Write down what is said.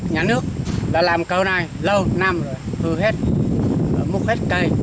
nhà nước đã làm cầu này lâu năm rồi thừa hết múc hết cây